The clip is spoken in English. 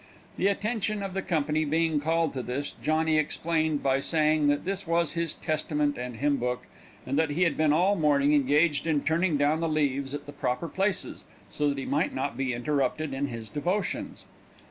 The attention of the company being called to this, Johnny explained by saying that it was his Testament and hymn book, and that he had been all the morning engaged in turning down the leaves at the proper places, so that he might not be interrupted in his devotions.